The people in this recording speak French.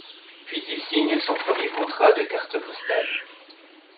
Puis il signe son premier contrat de cartes postales.